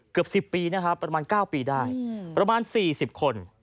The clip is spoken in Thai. เกือบ๑๐ปีนะครับประมาณ๙ปีได้ประมาณ๔๐คน